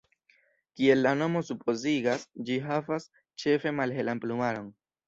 Kiel la nomo supozigas, ĝi havas ĉefe malhelan plumaron.